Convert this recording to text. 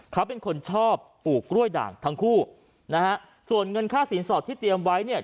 เขาเป็นคนชอบปลูกกล้วยด่างทั้งคู่นะฮะส่วนเงินค่าสินสอดที่เตรียมไว้เนี่ย